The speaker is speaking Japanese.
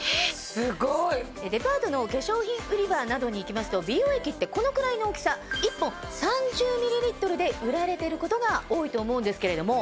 すごい！デパートの化粧品売り場などに行きますと美容液ってこのくらいの大きさ。で売られてることが多いと思うんですけれども。